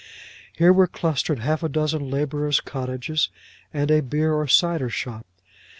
Here were clustered half a dozen labourers' cottages, and a beer or cider shop.